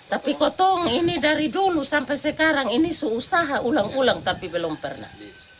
tapi kotong ini dari dulu sampai sekarang ini seusaha ulang ulang tapi belum pernah